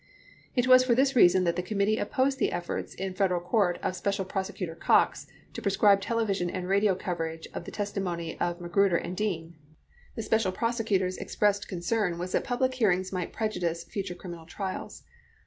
It was for this reason that the committee opposed the efforts in Fed eral court of Special Prosecutor Cox to proscribe television and radio coverage of the testimony of Magruder and Dean. The Special Prose cutor's expressed concern was that public hearings might prejudice future criminal trials.